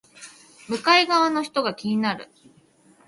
向かい側の人が気になる